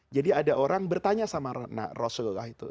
jadi ada orang bertanya sama rasulullah itu